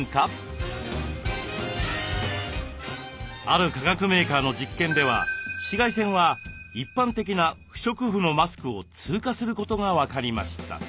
ある化学メーカーの実験では紫外線は一般的な不織布のマスクを通過することが分かりました。